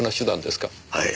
はい。